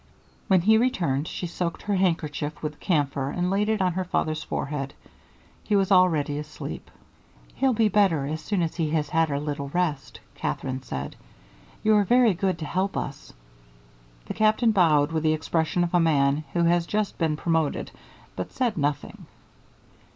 When he returned she soaked her handkerchief with the camphor and laid it on her father's forehead. He was already asleep. "He'll be better as soon as he has had a little rest," Katherine said. "You are very good to help us." The Captain bowed with the expression of a man who has just been promoted, but said nothing.